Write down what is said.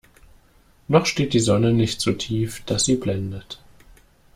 Noch steht die Sonne nicht so tief, dass sie blendet.